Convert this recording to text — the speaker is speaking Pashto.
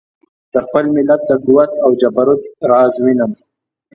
د خپل ملت د قوت او جبروت راز وینم.